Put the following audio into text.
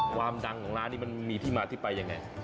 ความดังของร้านนี้มันมีที่มาที่ไปยังไง